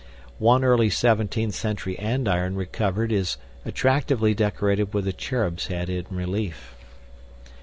One early 17th century andiron recovered is attractively decorated with a cherub's head in relief.